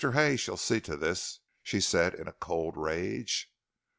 Hay shall see to this," she said in a cold rage.